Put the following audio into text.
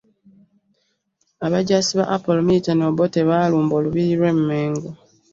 Abajaasi ba Apollo Milton Obote baalumba Olubiri lw’e Mmengo